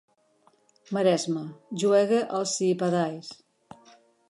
Maresme: «Juegue al Siipadais».